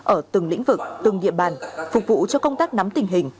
ở từng lĩnh vực từng địa bàn phục vụ cho công tác nắm tình hình